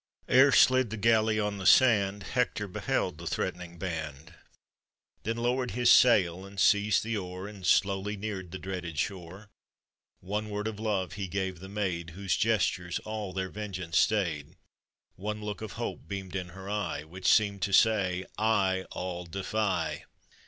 Ere slid the galley on the sand, Hector beheld the threatening band, Then lowered his sail, and seized the oar, And slowly neared the dreaded shore. One word of love he gave the maid, Whose gestures all their vengeance stayed; One look of hope beamed in her eye, "Which seemed to say "I all defy!"